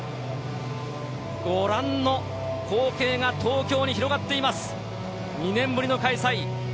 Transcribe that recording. ご覧の光景が東京に広がっています、２年ぶりの開催。